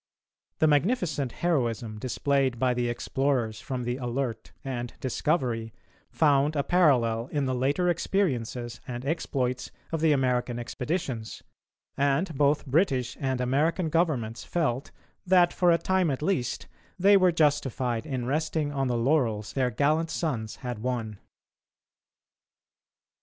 The magnificent heroism displayed by the explorers from the Alert and Discovery found a parallel in the later experiences and exploits of the American expeditions, and both British and American Governments felt that, for a time at least, they were justified in resting on the laurels their gallant sons had won.